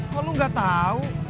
kok lo gak tau